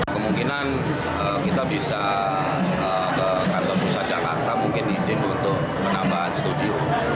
kemungkinan kita bisa ke kantor pusat jakarta mungkin izin untuk penambahan studio